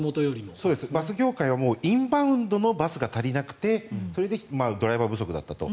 バス業界はインバウンドのバスが足りなくてそれでドライバー不足だったと。